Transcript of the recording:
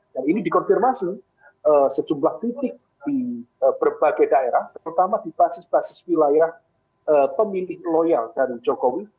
dan ini dikonfirmasi sejumlah titik di berbagai daerah terutama di basis basis wilayah pemilih loyal dari jokowi